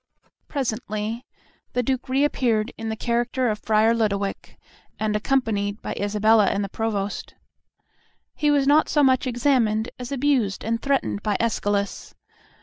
Presently the Duke re appeared in the character of Friar Lodowick, and accompanied by Isabella and the Provost. He was not so much examined as abused and threatened by Escalus.